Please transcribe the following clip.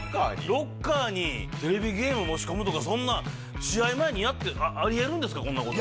ロッカーにテレビゲーム持ち込むとか、そんな試合前にやって、ありえるんですか、こんなこと。